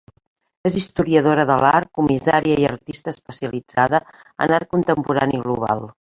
És historiadora de l'art, comissària i artista especialitzada en art contemporani global.